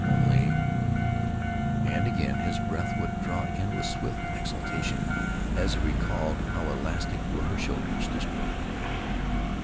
Only——And again his breath would draw in with swift exultation as he recalled how elastic were her shoulders to stroke.